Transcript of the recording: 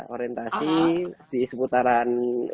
orientasi di seputaran